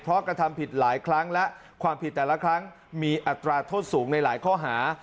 เพราะกระทำผิดหลายครั้งและความผิดแต่ละครั้งมีอัตราโทษสูงในหลายข้อหา